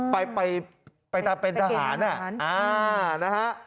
อ๋อไปเป็นทหารอ่านะฮะ